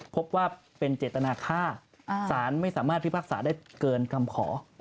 พบว่าเป็นเจตนาค่าสารไม่สามารถพิพากษาได้เกินคำขอ